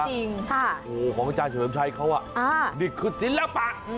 โอ้ของพระอาจารย์เฉยชัยเขานี่คือศิลปะ